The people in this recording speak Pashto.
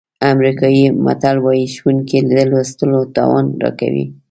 امریکایي متل وایي ښوونکي د لوستلو توان راکوي.